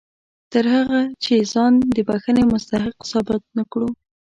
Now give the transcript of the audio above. تر هغه چې ځان د بښنې مستحق ثابت نه کړو.